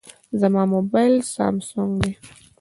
زما موبایل سامسونګ دی.